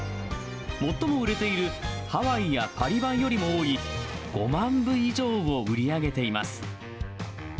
最も売れているハワイやパリ版よりも多い５万部以上を売り上げています。